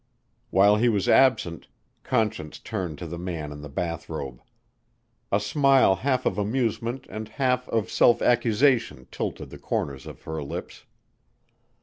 While he was absent, Conscience turned to the man in the bath robe. A smile half of amusement and half of self accusation tilted the corners of her lips.